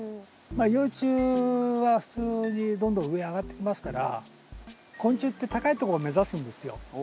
まあ幼虫は普通にどんどん上へ上がってきますから昆虫って高いとこを目指すんですよ。